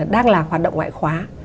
đang là hoạt động ngoại khóa